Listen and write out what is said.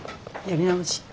やり直し。